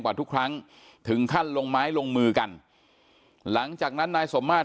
ทุกครั้งถึงขั้นลงไม้ลงมือกันหลังจากนั้นนายสมมาตร